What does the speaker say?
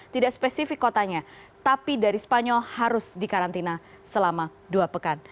tidak spesifik kotanya tapi dari spanyol harus dikarantina selama dua pekan